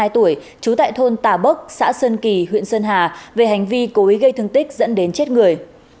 hai mươi tuổi trú tại thôn tà bốc xã sơn kỳ huyện sơn hà về hành vi cố ý gây thương tích dẫn đến chết người